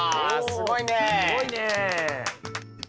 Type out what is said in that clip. すごいね！